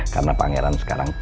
karena pangeran sekarang